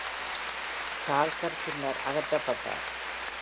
Stalker பின்னர் அகற்றப்பட்டார்.